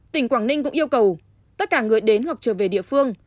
tỉnh quảng ninh cũng yêu cầu tất cả người đến hoặc trở về địa phương